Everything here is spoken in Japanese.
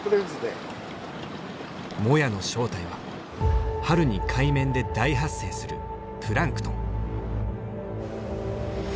モヤの正体は春に海面で大発生するプランクトン。